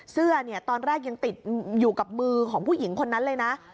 เสื้อตอนแรกยังติดอยู่กับมือของผู้หญิงคนนั้นเลยนะ